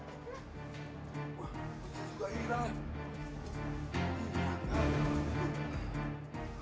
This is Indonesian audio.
wah gue ilang